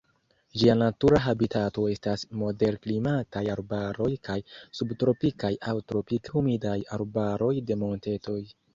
Ĝia natura habitato estas moderklimataj arbaroj kaj subtropikaj aŭ tropikaj humidaj arbaroj de montetoj.